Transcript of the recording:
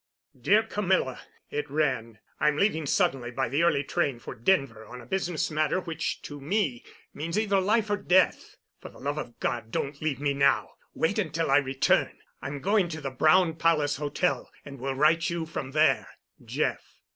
"Dear Camilla" (it ran): "I'm leaving suddenly by the early train for Denver on a business matter which to me means either life or death. For the love of God don't leave me now. Wait until I return. I'm going to the Brown Palace Hotel and will write you from there. "JEFF."